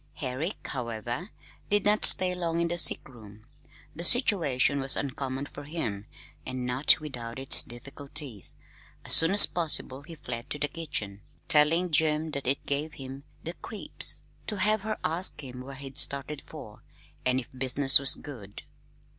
Herrick, however, did not stay long in the sick room. The situation was uncommon for him, and not without its difficulties. As soon as possible he fled to the kitchen, telling Jim that it gave him "the creeps" to have her ask him where he'd started for, and if business was good.